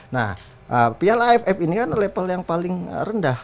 nah piala aff ini kan level yang paling rendah